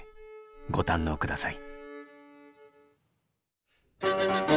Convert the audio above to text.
ご堪能下さい。